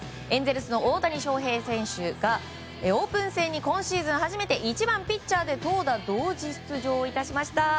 エンゼルスの大谷翔平選手がオープン戦に今シーズン初めて１番ピッチャーで投打同時出場いたしました。